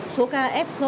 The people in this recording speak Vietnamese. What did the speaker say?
số ca f